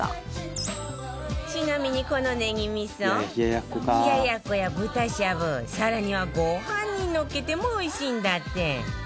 ちなみにこのネギ味噌冷奴や豚しゃぶ更にはご飯にのっけてもおいしいんだって